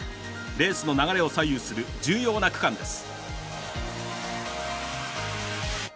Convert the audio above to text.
レースの流れを左右する重要な区間です。